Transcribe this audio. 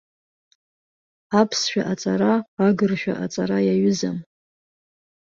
Аԥсшәа аҵара агыршәа аҵара иаҩызам.